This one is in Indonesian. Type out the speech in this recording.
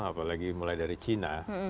apalagi mulai dari china